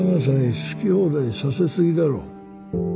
好き放題させ過ぎだろ。